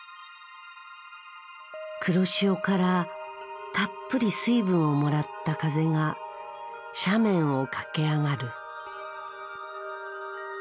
黒潮からたっぷり水分をもらった風が斜面を駆け上がる。